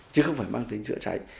chứ không phải mang tính dựa cháy